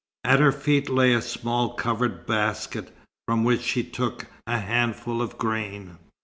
At her feet lay a small covered basket, from which she took a handful of grain.